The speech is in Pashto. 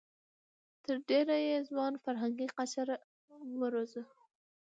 تر ډېره یې ځوان فرهنګي قشر وروزه.